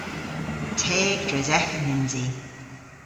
Teg dres eghen yns i.